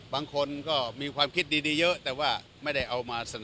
บางคนก็มีความคิดดีเยอะแต่ว่าไม่ได้เอามาเสนอ